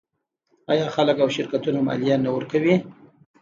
آیا خلک او شرکتونه مالیه نه ورکوي؟